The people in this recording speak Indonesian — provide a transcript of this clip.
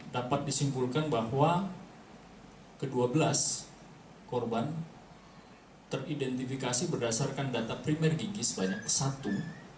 dapat disimpulkan bahwa ke dua belas korban teridentifikasi berdasarkan data primer gigi sebanyak satu